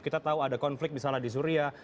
kita tahu ada konflik misalnya di suria